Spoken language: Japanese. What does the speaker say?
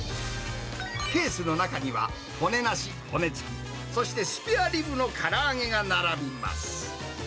ケースの中には、骨なし、骨つき、そしてスペアリブのから揚げが並びます。